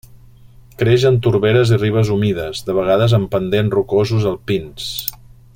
Creix en torberes i ribes humides, de vegades en pendents rocosos alpins.